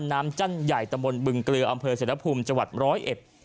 จั้นใหญ่ตะบนบึงเกลืออำเภอเศรษฐภูมิจังหวัดร้อยเอ็ด